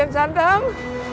bangun kian santang